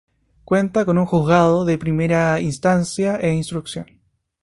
Cuenta con un juzgado de primera instancia e instrucción.